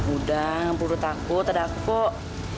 udah jangan purut aku tada kok